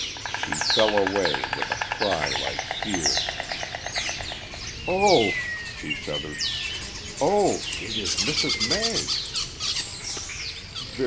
She fell away with a cry like fear. "Oh," she shuddered. "Oh, it is Mrs. May!"